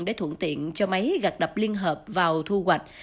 để thuận tiện cho máy gặt đập liên hợp vào thu hoạch